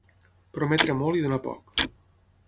Prometre molt i donar poc.